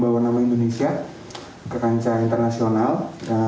para pemenang pun mengaku pertandingan tahun ini